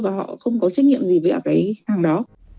và họ không có trách nhiệm gì về cái hàng đó